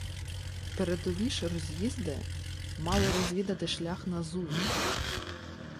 Передові ж роз’їзди мали розвідати шлях на Зую.